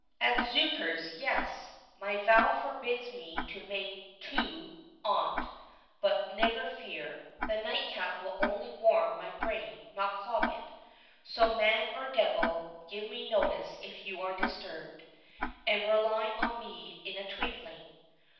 "Adszookers, yes—my vow forbids me to make two on't; but, never fear—the nightcap will only warm my brain, not clog it. So, man or devil, give me notice if you are disturbed, and rely on me in a twinkling."